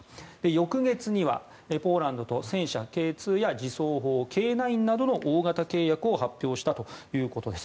翌月にはポーランドと戦車Ｋ２や自走砲Ｋ９などの大型契約を発表したということです。